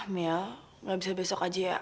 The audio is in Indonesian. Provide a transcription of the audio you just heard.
mil gak bisa besok aja ya